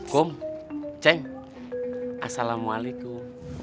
kom ceng assalamualaikum